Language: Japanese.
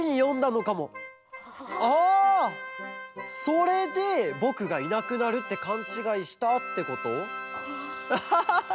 それでぼくがいなくなるってかんちがいしたってこと？